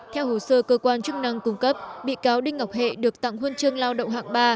theo hồ sơ cơ quan chức năng cung cấp bị cáo đinh ngọc hệ được tặng huân chương lao động hạng ba